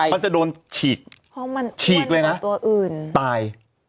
มันจะโดนฉีกฉีกเลยนะตาย